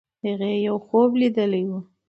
هغې یو خوب لیدلی وو.